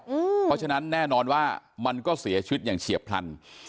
เพราะฉะนั้นแน่นอนว่ามันก็เสียชีวิตอย่างเฉียบพลัน